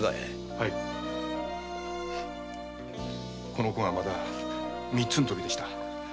この子が３つの時でした。